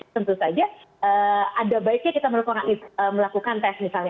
tentu saja ada baiknya kita melakukan tes misalnya